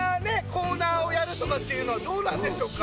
コーナーをやるとかっていうのはどうなんでしょうか？